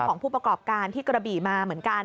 ของผู้ประกอบการที่กระบี่มาเหมือนกัน